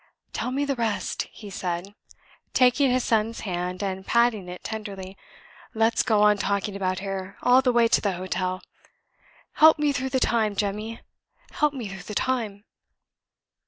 "Tell me the rest," he said, taking his son's hand, and patting it tenderly. "Let's go on talking about her all the way to the hotel. Help me through the time, Jemmy help me through the time."